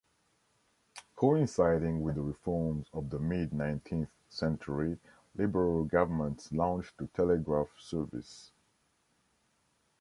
Coinciding with the reforms of the mid-nineteenth century liberal governments launched the telegraph service.